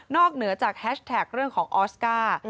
เหนือจากแฮชแท็กเรื่องของออสการ์